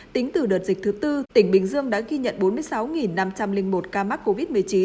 tính từ đợt dịch thứ tư tỉnh bình dương đã ghi nhận bốn mươi sáu năm trăm linh một ca mắc covid một mươi chín